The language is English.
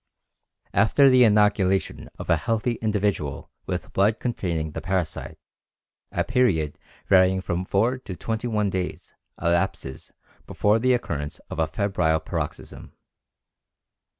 After the inoculation of a healthy individual with blood containing the parasite a period varying from four to twenty one days elapses before the occurrence of a febrile paroxysm.